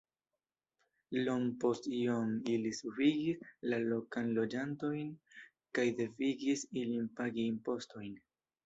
Iom post iom ili subigis la lokan loĝantojn kaj devigis ilin pagi impostojn.